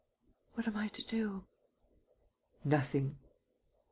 "What am I to do?" "Nothing."